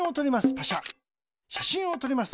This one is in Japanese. しゃしんをとります。